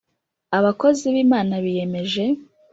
Abakozi b Imana biyemeje